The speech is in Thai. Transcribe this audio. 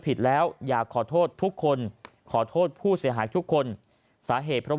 ผิดแล้วอยากขอโทษทุกคนขอโทษผู้เสียหายทุกคนสาเหตุเพราะ